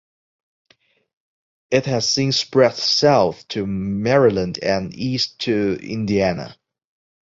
It has since spread south to Maryland and east to Indiana.